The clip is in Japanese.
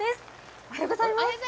おはようございます。